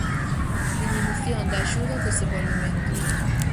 Diminución da Axuda ao Desenvolvemento.